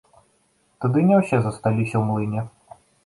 Тады не ўсе засталіся ў млыне.